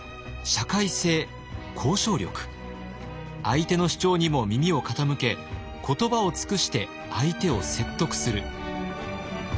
相手の主張にも耳を傾け言葉を尽くして相手を説得する。